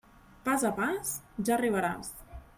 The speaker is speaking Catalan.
Pas a pas, ja arribaràs.